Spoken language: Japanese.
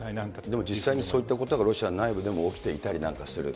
でも実際にそういったことが、ロシア内部でも起きていたりなんかする。